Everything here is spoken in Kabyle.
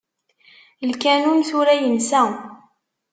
Lkanun tura yensa.